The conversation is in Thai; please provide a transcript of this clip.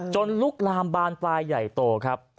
ลุกลามบานปลายใหญ่โตครับ